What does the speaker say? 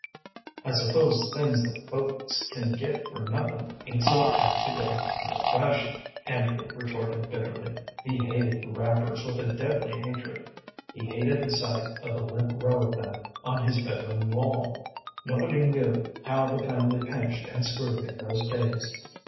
"I suppose things that folks can get for nothing ain't so apt to go out of fashion," Andrew retorted, bitterly. He hated the wrappers with a deadly hatred. He hated the sight of the limp row of them on his bedroom wall. Nobody knew how the family pinched and screwed in those days.